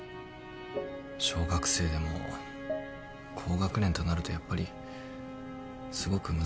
小学生でも高学年となるとやっぱりすごく難しいですね。